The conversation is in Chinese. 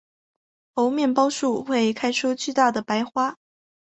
猴面包树会开出巨大的白花。